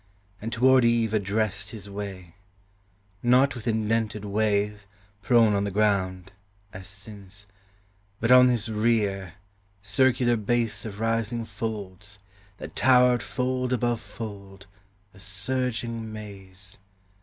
and toward Eve Addressed his way: not with indented wave, Prone on the ground, as since; but on his rear, Circular base of rising folds, that towered Fold above fold, a surging maze!